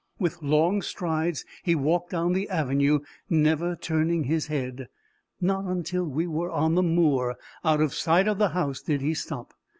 With long strides he walked down the avenue, never turning his head. Not until we were on the moor, out of sight of the house, did he stop.